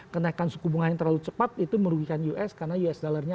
kenaikan suku bunga yang terlalu cepat itu merugikan us karena us dollarnya